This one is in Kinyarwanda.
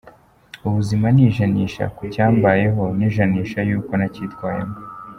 Ubuzima ni % ku cyambayeho na % yuko nacyitwayemo.